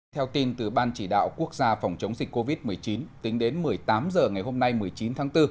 theo tin từ ban chỉ đạo quốc gia phòng chống dịch covid một mươi chín tính đến một mươi tám h ngày hôm nay một mươi chín tháng bốn